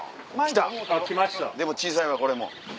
来たでも小さいわこれも。